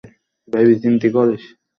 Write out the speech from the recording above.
আমি খুব ক্লান্ত।